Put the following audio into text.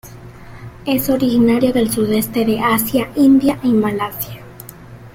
Es originario del sudeste de Asia, India y Malasia.